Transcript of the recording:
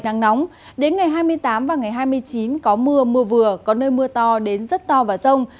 nắng nóng đến ngày hai mươi tám và ngày hai mươi chín có mưa mưa vừa có nơi mưa to đến rất to và rông